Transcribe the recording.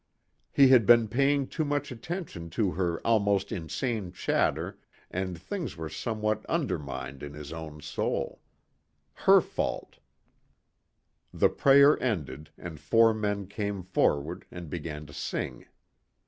He had been paying too much attention to her almost insane chatter and things were somewhat undermined in his own soul. Her fault. The prayer ended and four men came forward and began to sing.